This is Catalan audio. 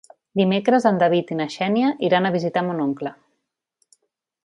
Dimecres en David i na Xènia iran a visitar mon oncle.